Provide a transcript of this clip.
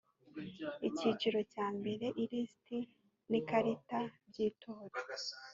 icyiciro cya mbere ilisiti n ikarita by itora